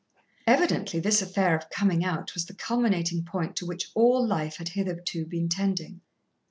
Evidently this affair of coming out was the culminating point to which all life had hitherto been tending.